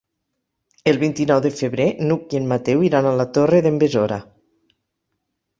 El vint-i-nou de febrer n'Hug i en Mateu iran a la Torre d'en Besora.